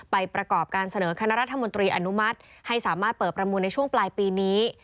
ประกอบการเสนอคณะรัฐมนตรีอนุมัติให้สามารถเปิดประมูลในช่วงปลายปีนี้